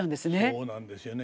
そうなんですよね。